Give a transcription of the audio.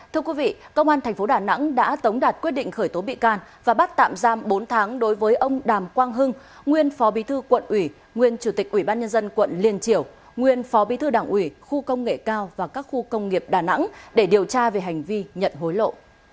thưa quý vị công an tp đà nẵng đã tống đạt quyết định khởi tố bị can và bắt tạm giam bốn tháng đối với ông đàm quang hưng nguyên phó bí thư quận ủy nguyên chủ tịch ủy ban nhân dân quận liên triểu nguyên phó bí thư đảng ủy khu công nghệ cao và các khu công nghiệp đà nẵng để điều tra về hành vi nhận hối lộ